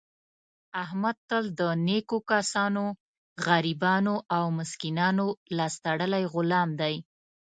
احمد تل د نېکو کسانو، غریبانو او مسکینانو لاس تړلی غلام دی.